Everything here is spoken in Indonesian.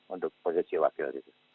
untuk posisi wakil itu